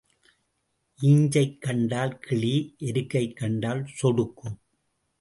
ஈஞ்சைக் கண்டால் கிழி எருக்கைக் கண்டால் சொடுக்கு.